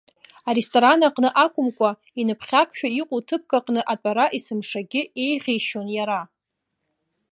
Аресторан аҟны акәымкәа, иныԥхьакшәа иҟоу ҭыԥк аҟны атәара есымшагьы еиӷьишьон иара.